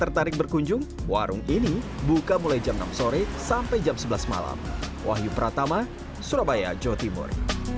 tertarik berkunjung warung ini buka mulai jam enam sore sampai jam sebelas malam wahyu pratama surabaya jawa timur